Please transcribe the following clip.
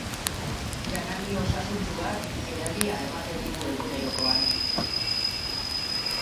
Janari osasuntsuak energia ematen digu egunerokoan.